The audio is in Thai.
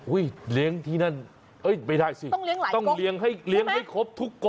อุ้ยเลี้ยงที่นั่นเอ้ยไม่ได้สิต้องเลี้ยงให้ครบทุกกก